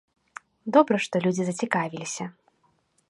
Добра, што людзі зацікавіліся.